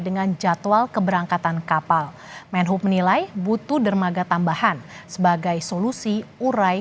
dengan jadwal keberangkatan kapal menhub menilai butuh dermaga tambahan sebagai solusi urai